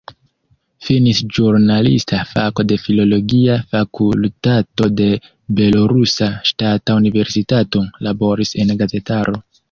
Finis ĵurnalista fako de filologia fakultato de Belorusa Ŝtata Universitato, laboris en gazetaro.